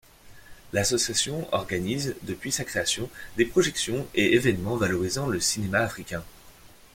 L'association organise, depuis sa création, des projections et événements valorisant le cinéma africain.